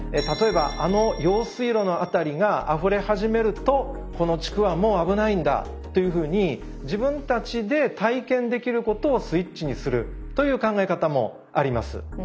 例えば「あの用水路の辺りがあふれ始めるとこの地区はもう危ないんだ」というふうに自分たちで体験できることをスイッチにするという考え方もあります。